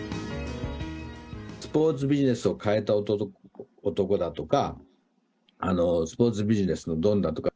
スポーツビジネスを変えた男だとか、スポーツビジネスのドンだとか。